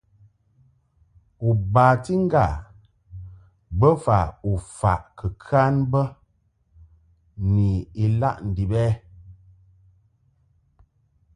U bati ŋgâ bofa u faʼ kɨ kan bə ni ilaʼ ndib ɛ ?